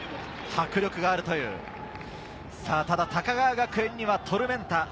迫力があるという高川学園にはトルメンタ。